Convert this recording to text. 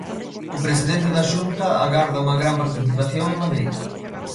O presidente da Xunta agarda unha gran participación en Madrid.